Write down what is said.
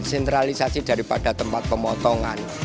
sentralisasi daripada tempat pemotongan